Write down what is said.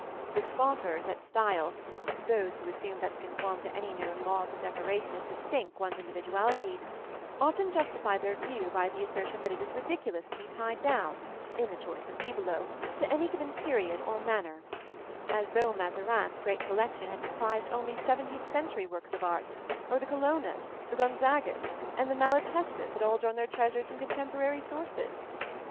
The scoffers at style those who assume that to conform to any known laws of decoration is to sink one's individuality often justify their view by the assertion that it is ridiculous to be tied down, in the choice of bibelots, to any given period or manner as though Mazarin's great collection had comprised only seventeenth century works of art, or the Colonnas, the Gonzagas, and the Malatestas had drawn all their treasures from contemporary sources!